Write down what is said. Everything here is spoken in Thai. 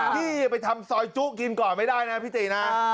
พี่ไปทำซอยจุกินก่อนไม่ได้นะพี่ตินะ